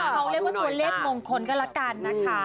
เขาเรียกว่าตัวเลขมงคลก็แล้วกันนะคะ